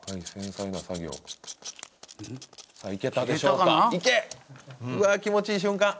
うわあ気持ちいい瞬間。